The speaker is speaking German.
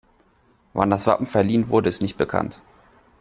Wann das Wappen verliehen wurde, ist nicht bekannt.